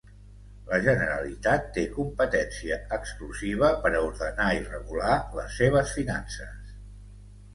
La Generalitat té competència exclusiva per a ordenar i regular les seves finances.